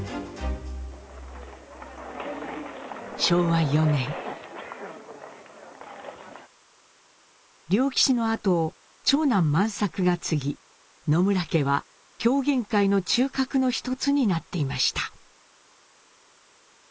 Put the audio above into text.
昭和４年良吉の跡を長男万作が継ぎ野村家は狂言界の中核の一つになっていました。